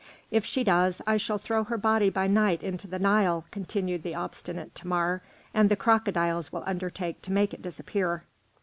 "If she does, I shall throw her body by night into the Nile," continued the obstinate Thamar, "and the crocodiles will undertake to make it disappear."